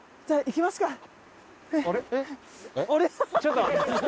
じゃあいきますか！